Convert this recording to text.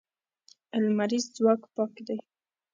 لمریز ځواک پاک دی.